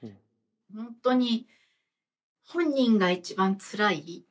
本当に本人が一番つらい。